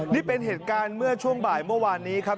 นี่เป็นเหตุการณ์เมื่อช่วงบ่ายเมื่อวานนี้ครับ